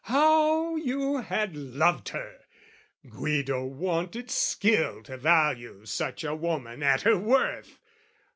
How you had loved her! Guido wanted skill To value such a woman at her worth!